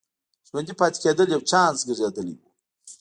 ژوندي پاتې کېدل یو چانس ګرځېدلی و.